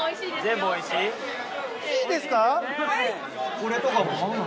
これとか。